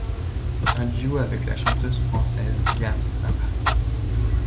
Un duo avec la chanteuse française Diams apparaît.